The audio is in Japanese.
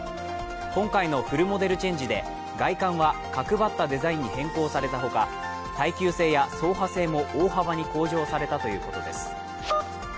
今回のフルモデルチェンジで、外観は角張ったデザインに変更されたほか、耐久性や走破性も大幅に向上されたということです。